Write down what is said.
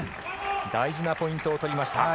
大事なポイントを取りました。